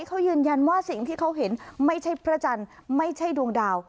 เขายืนยันว่าสิ่งที่เขาเห็นไม่ใช่พระจันทร์ไม่ใช่ดวงดาว